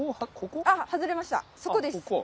っ外れましたそこです。